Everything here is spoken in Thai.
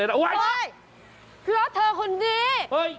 เพราะเธอคนนี้